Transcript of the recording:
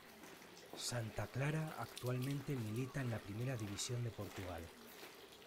Santa Clara actualmente milita en la primera división de Portugal.